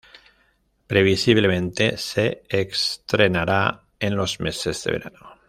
Previsiblemente, se estrenará en los meses de verano.